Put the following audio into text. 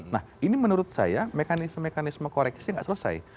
nah ini menurut saya mekanisme mekanisme koreksi tidak selesai